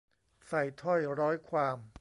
ใส่ถ้อยร้อยความ